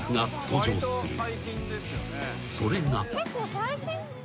［それが］